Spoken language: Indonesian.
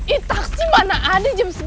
eh taksi mana ada jam segini